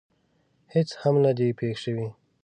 هېڅ هم نه دي پېښ شوي.